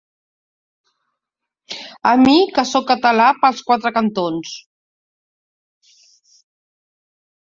A mi, que sóc català pels quatre cantons.